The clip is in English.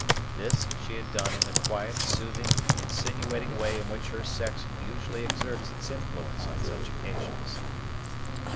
This she had done in the quiet, soothing, insinuating way in which her sex usually exerts its influence on such occasions.